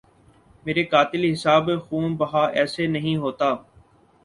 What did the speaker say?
مرے قاتل حساب خوں بہا ایسے نہیں ہوتا